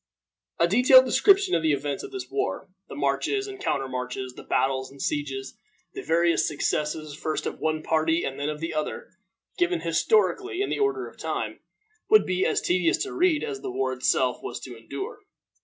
A detailed description of the events of this war, the marches and countermarches, the battles and sieges, the various success, first of one party and then of the other, given historically in the order of time, would be as tedious to read as the war itself was to endure.